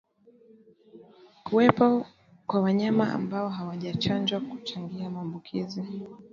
Kuwepo kwa wanyama ambao hawajachanjwa huchangia maambukizi